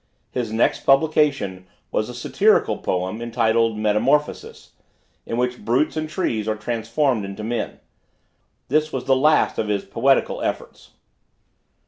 His next publication, was a Satirical Poem, entitled "Metamorphosis," in which brutes and trees are transformed into men. This was the last of his poetical efforts.